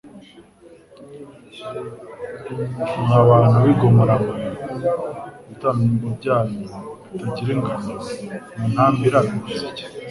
mwa bantu b'i Gomora mwe! Ibitambo byanyu bitagira ingano muntambira bimaze iki?